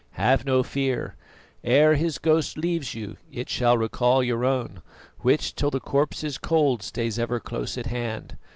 Have no fear. Ere his ghost leaves you it shall recall your own, which till the corpse is cold stays ever close at hand.